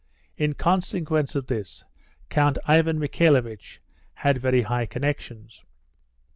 In consequence of this Count Ivan Michaelovitch had very high connections.